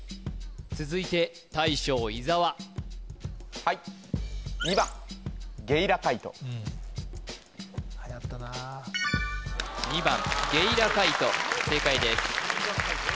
続いて大将伊沢はいはやったな２番ゲイラカイト正解です